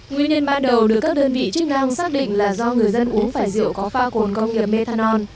nguyên nhân ban đầu được các đơn vị chức năng xác định là do người dân uống phải rượu có pha cồn công nghiệp methanol